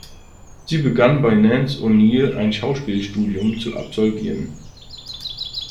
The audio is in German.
Sie begann bei Nance O'Neil ein Schauspielstudium zu absolvieren.